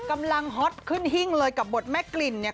ฮอตขึ้นหิ้งเลยกับบทแม่กลิ่นเนี่ย